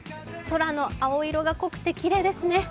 空の青色が濃くてきれいですね。